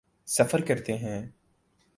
سفر کرتے ہیں۔